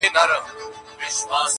o اوبو اخيستی ځگ ته لاس اچوي!